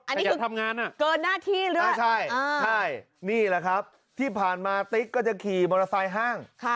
อันนี้คือเกินหน้าที่หรือใช่นี่แหละครับที่ผ่านมาติ๊กก็จะขี่มอเตอร์ไซค์ห้าง